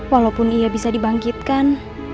walaupun ia bisa dibangkitkan